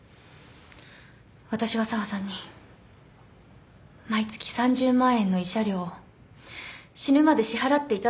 私は紗和さんに毎月３０万円の慰謝料を死ぬまで支払っていただくことを要求します。